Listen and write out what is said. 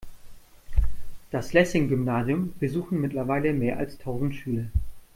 Das Lessing-Gymnasium besuchen mittlerweile mehr als tausend Schüler.